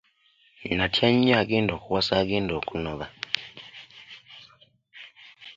Nnatya nnyo okuwasa agenda okunoba.